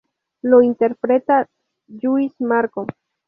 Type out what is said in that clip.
Lo interpreta Lluís Marco.